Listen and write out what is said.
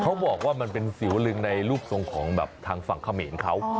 เขาบอกว่ามันเป็นสิวลึงในรูปทรงของแบบทางฝั่งเขมรเขา